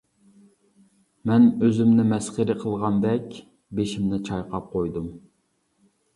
مەن ئۆزۈمنى مەسخىرە قىلغاندەك بېشىمنى چايقاپ قويدۇم.